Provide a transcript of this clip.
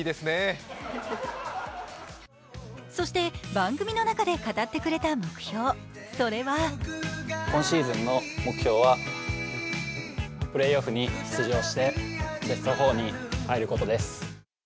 そして番組の中で語ってくれた目標、それは今シーズンの目標はプレーオフに出場して、ベスト４に入ることです。